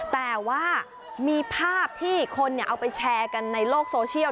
แต่ว่ามีภาพที่คนเอาไปแชร์กันในโลกโซเชียล